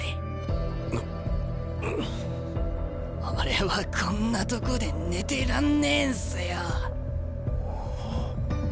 俺はこんなとこで寝てらんねえんすよ。